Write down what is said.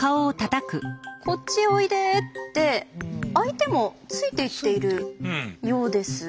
こっちおいでって相手もついていっているようです。